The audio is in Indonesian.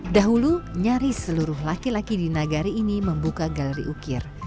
dahulu nyaris seluruh laki laki di nagari ini membuka galeri ukir